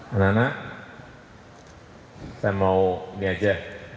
anak anak saya mau ini aja